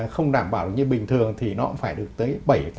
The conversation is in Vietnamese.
không đảm bảo như bình thường thì nó cũng phải được tới bảy tám mươi